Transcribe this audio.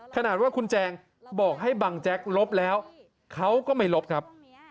ขนาดว่าคุณแจงบอกให้บังแจ๊กลบแล้วเขาก็ไม่ลบครับ